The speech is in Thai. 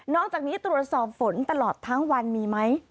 จากนี้ตรวจสอบฝนตลอดทั้งวันมีไหม